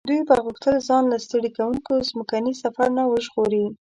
دوی به غوښتل ځان له ستړي کوونکي ځمکني سفر نه وژغوري.